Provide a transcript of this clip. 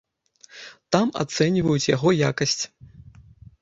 Там ацэньваюць яго якасць.